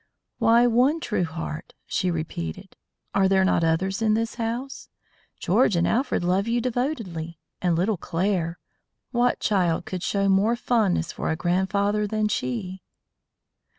"Why one true heart?" she repeated. "Are there not others in this house? George and Alfred love you devotedly; and little Claire what child could show more fondness for a grandfather than she?"